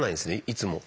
いつも。